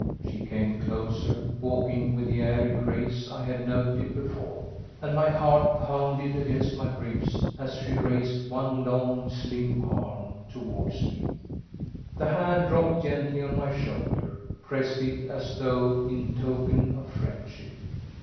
She came closer, walking with the airy grace I had noted before, and my heart pounded against my ribs as she raised one long, slim arm towards me. The hand dropped gently on my shoulder, pressed it as though in token of friendship.